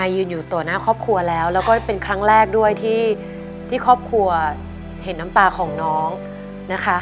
ยืนอยู่ต่อหน้าครอบครัวแล้วแล้วก็เป็นครั้งแรกด้วยที่ครอบครัวเห็นน้ำตาของน้องนะคะ